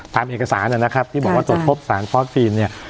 ตามเอกสารนะครับที่บอกว่าตรวจพบสารฟอสซีนเนี่ย